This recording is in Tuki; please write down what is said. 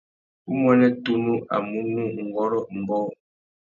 Umuênê tunu a munú nʼwôrrô umbōh.